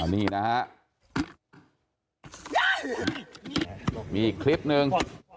มีอีกคลิปนึง